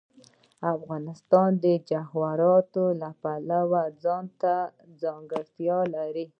افغانستان د جواهرات د پلوه ځانته ځانګړتیا لري.